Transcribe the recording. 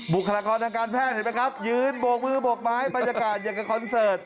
คลากรทางการแพทย์เห็นไหมครับยืนโบกมือโบกไม้บรรยากาศอย่างกับคอนเสิร์ต